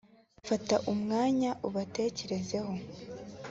Fata umwanya ubatekerezeho